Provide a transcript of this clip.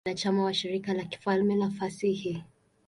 Pia yeye ni mwanachama wa Shirika la Kifalme la Fasihi.